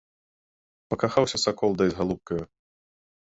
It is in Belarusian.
Пакахаўся сакол дай з галубкаю.